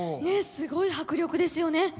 ねっすごい迫力ですよね。